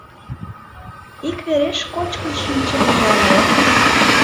— Иквереш кочкын шинченда мо?